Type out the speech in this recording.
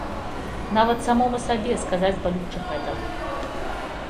Нават самому сабе сказаць балюча гэта.